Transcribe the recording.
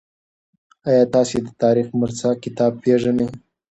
آیا تاسي د تاریخ مرصع کتاب پېژنئ؟